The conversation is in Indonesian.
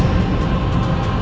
aku mau makan